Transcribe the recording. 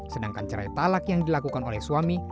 sedangkan cerai talak yang dilakukan oleh suami